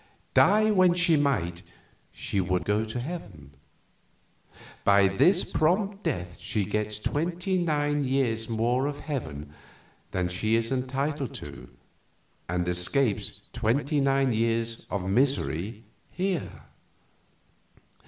Die when she might, she would go to heaven. By this prompt death she gets twenty nine years more of heaven than she is entitled to, and escapes twenty nine years of misery here."